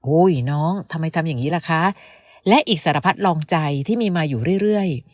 น้องทำไมทำอย่างนี้ล่ะคะและอีกสารพัดลองใจที่มีมาอยู่เรื่อย